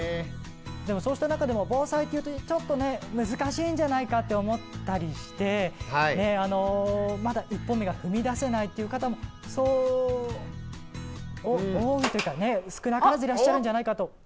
でもそうした中でも防災というとちょっとね難しいんじゃないかって思ったりしてねあのまだ一歩目が踏み出せないっていう方もそう多いというかね少なからずいらっしゃるんじゃないかと。